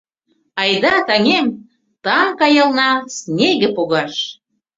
- Айда, таҥем, таҥ каялна снеге погаш!